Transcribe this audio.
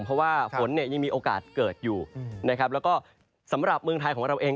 เพราะว่าฝนยังมีโอกาสเกิดอยู่สำหรับเมืองไทยของเราเอง